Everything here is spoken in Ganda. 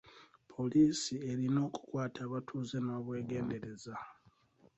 Poliisi erina okukwata abatuuze n'obwegendereza.